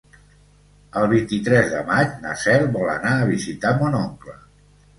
El vint-i-tres de maig na Cel vol anar a visitar mon oncle.